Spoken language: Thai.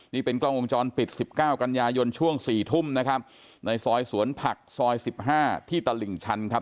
นี่เป็นกล้องวงจรปิดสิบเก้ากันยายนช่วงสี่ทุ่มนะครับในซอยสวนผักซอยสิบห้าที่ตลิ่งชันครับ